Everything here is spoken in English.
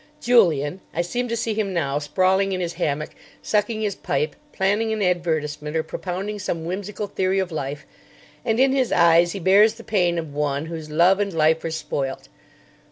Julian—I seem to see him now sprawling in his hammock, sucking his pipe, planning an advertisement, or propounding some whimsical theory of life; and in his eyes he bears the pain of one whose love and life are spoilt.